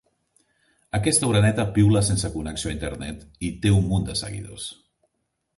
Aquesta oreneta piula sense connexió a internet i té un munt de seguidors.